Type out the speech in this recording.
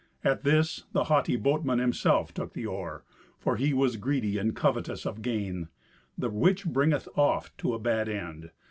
At this the haughty boatman himself took the oar, for he was greedy and covetous of gain, the which bringeth oft to a bad end.